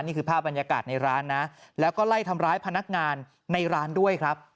นี่คือภาพบรรยากาศในร้านนะแล้วก็ไล่ทำร้ายพนักงานในร้านด้วยครับ